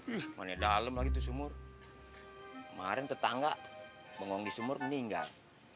ih mana dalem lagi itu sumur kemarin tetangga pengongdi sumur meninggal